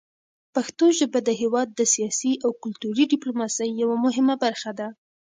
پښتو ژبه د هېواد د سیاسي او کلتوري ډیپلوماسۍ یوه مهمه برخه ده.